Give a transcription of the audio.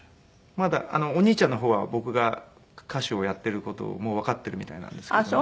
お兄ちゃんの方は僕が歌手をやっている事をもうわかってるみたいなんですけども。